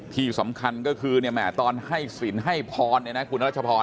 ที่สำคัญก็คือตอนให้สินให้พรเนี่ยนะคุณรัชพร